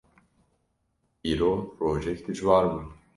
Îro rojek dijwar bû.